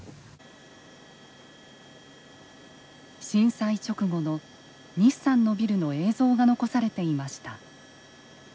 震災直後の西さんのビルの映像が残されていました。